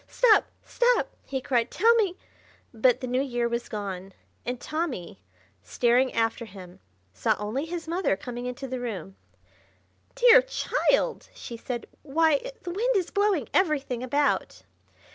"Stop! stop!" he cried. "Tell me—" But the New Year was gone, and Tommy, staring after him, saw only his mother coming into the room. "Dear child!" she said. "Why, the wind is blowing everything about."